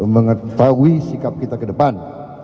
mengetahui sikap kita ke depan